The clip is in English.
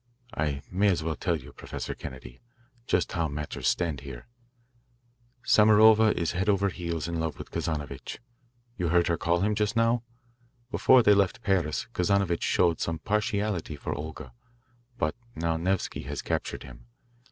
"I may as well tell you, Professor Kennedy, just how matters stand here. Samarova is head over heels in love with Kazanovitch you heard her call for him just now? Before they left Paris, Kazanovitch showed some partiality for Olga, but now Nevsky has captured him.